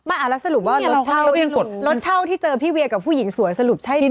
อ่าแล้วสรุปว่ารถเช่ารถเช่าที่เจอพี่เวียกับผู้หญิงสวยสรุปใช่ไหม